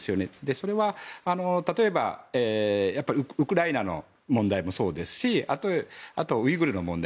それは、例えばウクライナの問題もそうですしあと、ウイグルの問題。